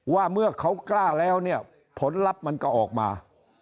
ว่าเมื่อเขากล้าแล้วเนี่ยผลลัพธ์มันก็ออกมา